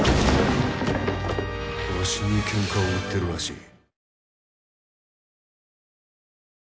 わしにけんかを売ってるらしい。